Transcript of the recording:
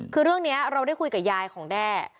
คือเรื่องนี้เราได้คุยกับยายของแด้